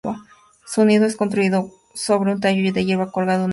Su nido es construido sobre un tallo de hierba, colgando de una raíz fina.